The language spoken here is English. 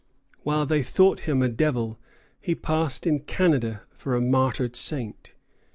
While they thought him a devil, he passed in Canada for a martyred saint.